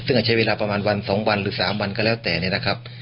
ซึ่งอาจใช้เวลาประมาณวัน๒วันหรือ๓วันก็แล้วแต่เนี่ยนะครับ